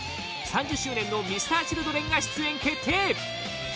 ３０周年のＭｒ．Ｃｈｉｌｄｒｅｎが出演決定！